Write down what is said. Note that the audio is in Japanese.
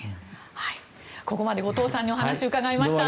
ここまで後藤さんにお話伺いました。